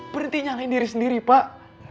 berhenti nyalain diri sendiri pak